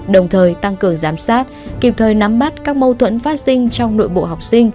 đồng thời tăng cường giám sát kịp thời nắm bắt các mâu thuẫn phát sinh trong nội bộ học sinh